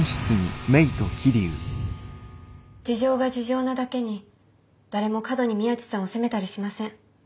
事情が事情なだけに誰も過度に宮地さんを責めたりしません。